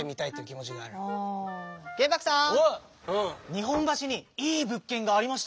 日本橋にいい物件がありましたよ。